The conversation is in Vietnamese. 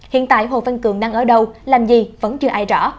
hiện tại hồ văn cường đang ở đâu làm gì vẫn chưa ai rõ